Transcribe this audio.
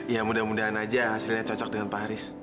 ya mudah mudahan aja hasilnya cocok dengan pak haris